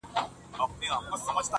چي پاچا وي څوک په غېږ کي ګرځولی٫